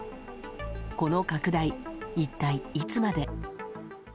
この拡大一体いつまで。